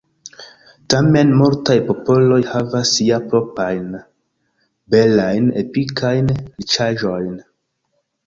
Tamen multaj popoloj havas ja proprajn belajn epikajn riĉaĵojn.